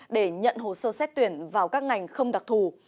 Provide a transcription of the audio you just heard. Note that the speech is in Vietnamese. để nhận hồ sơ xét tuyển vào các ngành không đặc thù